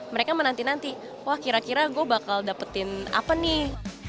mereka menanti nanti wah kira kira gue bakal dapetin apa nih